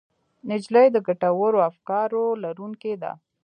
نجلۍ د ګټورو افکارو لرونکې ده.